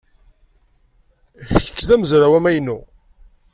Kečč d amezraw amaynu?